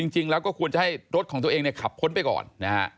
จริงแล้วก็ควรจะให้รถของตัวเองเนี่ยขับพ้นไปก่อนนะฮะ